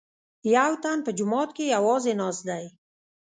یوتن په جومات کې یوازې ناست دی.